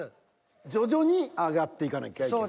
徐々に上がっていかなきゃいけない。